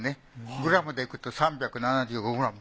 グラムでいくと３７５ｇ。